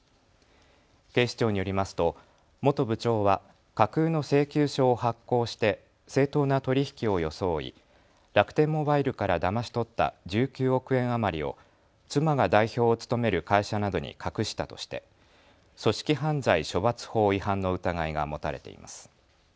警視庁によりますと元部長は架空の請求書を発行して正当な取り引きを装い楽天モバイルからだまし取った１９億円余りを妻が代表を務める会社などに隠したとして組織犯罪処罰法違反の疑いが持たれています。